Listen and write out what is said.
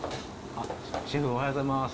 シェフおはようございます。